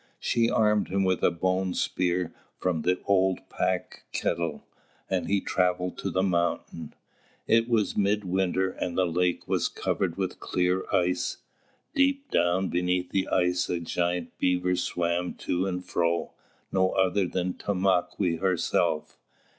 She armed him with a bone spear from the old pack kettle, and he travelled to the mountain. It was mid winter and the lake was covered with clear ice. Deep down beneath the ice a giant beaver swam to and fro, no other than Tomāquè herself.